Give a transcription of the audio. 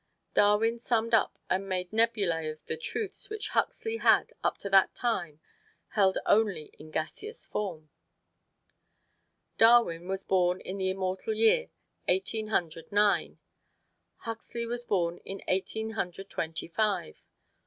Darwin summed up and made nebulæ of the truths which Huxley had, up to that time, held only in gaseous form. Darwin was born in the immortal year Eighteen Hundred Nine. Huxley was born in Eighteen Hundred Twenty five.